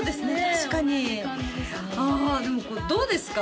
確かにああでもどうですか？